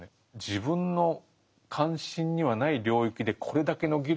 「自分の関心にはない領域でこれだけの議論ができてる。